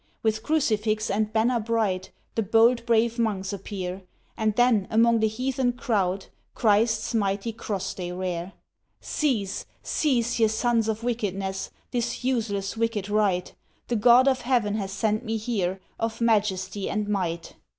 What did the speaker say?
With Crucifix and banner bright, The bold brave monks appear; And then among the heathen crowd, Christ's mighty Cross they rear. "Cease, cease, ye sons of wickedness, This useless wicked rite; The God of Heaven has sent me here, Of Majesty and Might!"